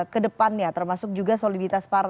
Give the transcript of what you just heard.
ke depannya termasuk juga soliditas koalisi partai